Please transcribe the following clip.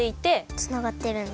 つながってるんだ。